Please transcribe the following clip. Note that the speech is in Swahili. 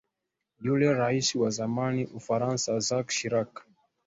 yule rais wa zamani ufaransa zack shirack